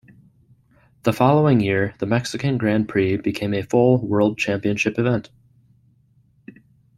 The following year the Mexican Grand Prix became a full World Championship event.